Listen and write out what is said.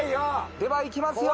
ではいきますよ。